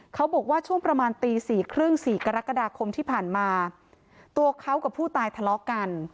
เขาบอกว่าช่วงประมาณตีสี่ครึ่งสี่กรกฎาคมที่ผ่านมาตัวเขากับผู้ตายทะเลาะกัน